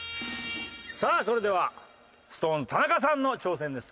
さあそれではＳｉｘＴＯＮＥＳ田中さんの挑戦です。